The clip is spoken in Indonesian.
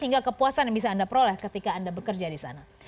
hingga kepuasan yang bisa anda peroleh ketika anda bekerja di sana